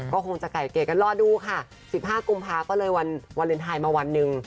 ก็คงจะไก่เกลียกันรอดูค่ะ๑๕กุมภาก็เลยวันวาเลนไทยมาวันหนึ่ง